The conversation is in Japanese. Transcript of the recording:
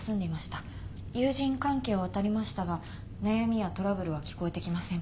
友人関係をあたりましたが悩みやトラブルは聞こえてきません。